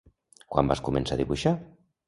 Quan vas començar a dibuixar?